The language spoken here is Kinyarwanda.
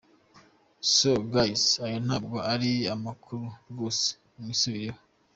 So guys, aya ntabwo ari amakuru rwose, mwisubireho !!!!!.